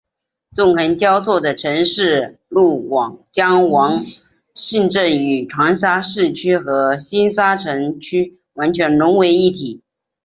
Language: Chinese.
纵横交错的城市路网将使黄兴镇与长沙市区和星沙城区完全融为一体。